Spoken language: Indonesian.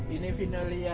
ini vinolia datang